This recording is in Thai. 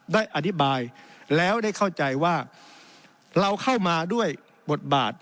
ได้อธิบายแล้วได้เข้าใจว่าเราเข้ามาด้วยบทบาท